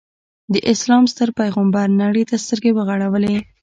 د اسلام ستر پیغمبر نړۍ ته سترګې وغړولې.